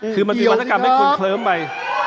คือมันมีวัฒกรรมให้คนเคลิ้มไป